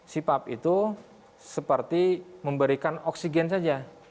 sipap itu seperti memberikan oksigen saja